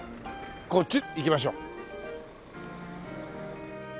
こっち行きましょう。